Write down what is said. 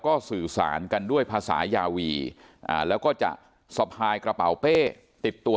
ก็สื่อสารกันด้วยภาษายาวีแล้วก็จะสะพายกระเป๋าเป้ติดตัว